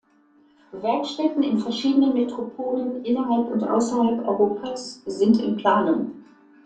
Werkstätten in verschiedenen Metropolen innerhalb und außerhalb Europas sind in Planung.